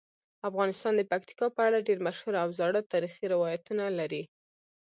افغانستان د پکتیکا په اړه ډیر مشهور او زاړه تاریخی روایتونه لري.